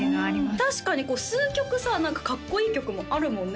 確かに数曲さかっこいい曲もあるもんね